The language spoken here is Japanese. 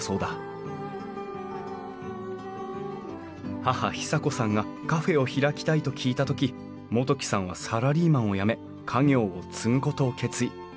義母啓紗子さんがカフェを開きたいと聞いた時元規さんはサラリーマンを辞め家業を継ぐことを決意。